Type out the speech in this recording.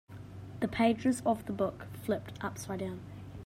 The pages of the book flipped upside down.